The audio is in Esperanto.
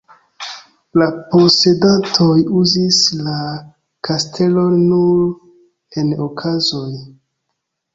La posedantoj uzis la kastelon nur en okazoj.